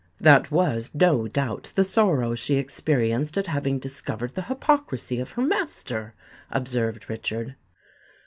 '" "That was no doubt the sorrow she experienced at having discovered the hypocrisy of her master," observed Richard.